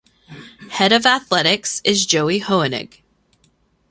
Head of athletics is Joey Hoenig.